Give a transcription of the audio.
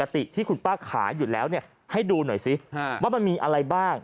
ที่คุณป้าขายอยู่แล้วเนี่ยให้ดูหน่อยสิว่ามันมีอะไรบ้าง